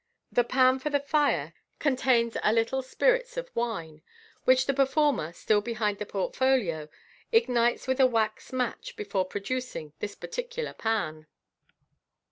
The pan for the fire contains a little spirits of wine, which the performer, still behind the portfolio, ignites with a wax match before producing this particular pan.